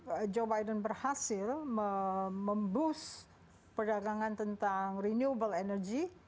kalau joe biden berhasil mem boost perdagangan tentang renewable energy